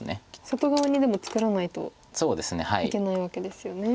外側にでも作らないといけないわけですよね。